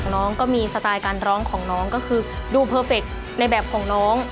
น้องก็มีสไตล์การร้องของน้องก็คือดูเพอร์เฟคในแบบของน้อง